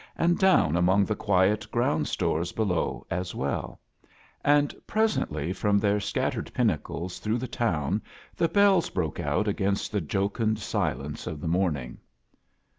'' and down among the quiet ground stories '■^ below as well; and presently from their scattered pinnacles through the town the gbells broke oat against the Jocund silence lof the morning.